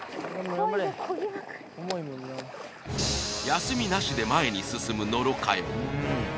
休みなしで前に進む野呂佳代